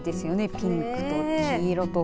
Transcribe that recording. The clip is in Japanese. ピンクと黄色と。